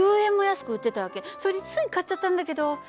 それでつい買っちゃったんだけど。